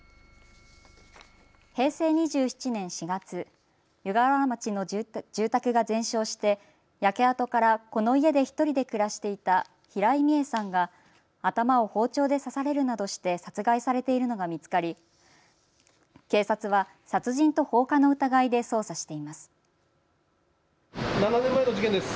平成２７年４月、湯河原町の住宅が全焼して焼け跡からこの家で１人で暮らしていた平井美江さんが頭を包丁で刺されるなどして殺害されているのが見つかり、警察は殺人と放火の疑いで捜査しています。